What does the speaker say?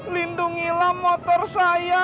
lindungilah motor saya